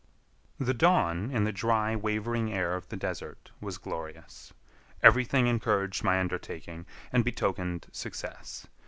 The dawn in the dry, wavering air of the desert was glorious. Everything encouraged my undertaking and betokened success.